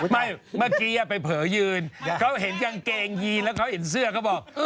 เมื่อกี้ไปเผลอยืนเขาเห็นกางเกงยีนแล้วเขาเห็นเสื้อเขาบอก